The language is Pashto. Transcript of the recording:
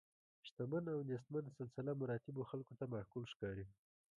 شتمن او نیستمن سلسله مراتبو خلکو ته معقول ښکاري.